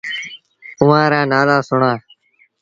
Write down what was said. اُئآݩ رآ نآلآ سُڻآ ۔